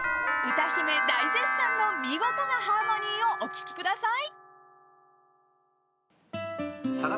歌姫大絶賛の見事なハーモニーをお聴きください。